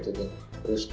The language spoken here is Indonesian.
jadi menurut saya